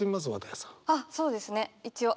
一応そうですね